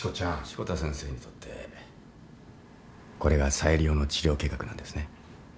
志子田先生にとってこれが最良の治療計画なんですね？